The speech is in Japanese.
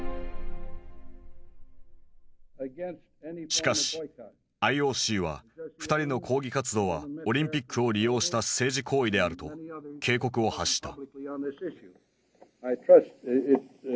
しかしＩＯＣは２人の抗議活動はオリンピックを利用した政治行為であると警告を発した。